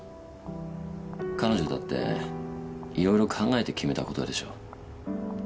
彼女だっていろいろ考えて決めたことでしょ。